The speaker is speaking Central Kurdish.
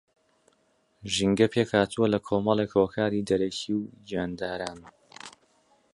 ژینگە پێکھاتووە لە کۆمەڵێک ھۆکاری دەرەکی و گیانداران